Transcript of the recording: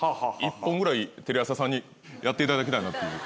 １本ぐらいテレ朝さんにやっていただきたいなっていう。